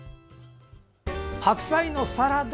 白菜のサラダ！